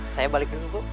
saya balik dulu bu